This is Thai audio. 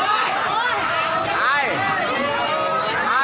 ไอ้ไอ้เวลาต่อมา